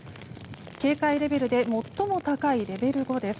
警戒レベルで最も高いレベル５です。